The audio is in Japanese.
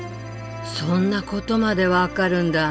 そんなことまで分かるんだ。